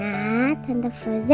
panggilnya tante frozen ya